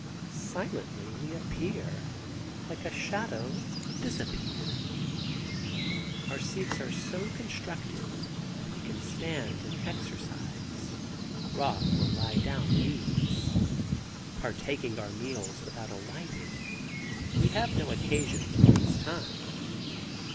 Silently we appear; like a shadow disappear. Our seats are so constructed that we can stand and exercise, rock or lie down at ease. Partaking our meals without alighting, we have no occasion to lose time.